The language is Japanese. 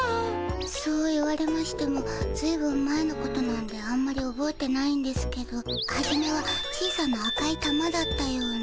そう言われましてもずいぶん前のことなんであんまりおぼえてないんですけどはじめは小さな赤い玉だったような。